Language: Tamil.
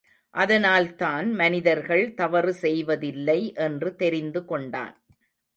அதனால்தான் மனிதர்கள் தவறு செய்வதில்லை என்று தெரிந்து கொண்டான்.